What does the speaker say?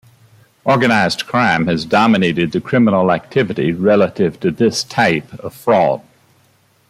Organized crime has dominated the criminal activity relative to this type of fraud.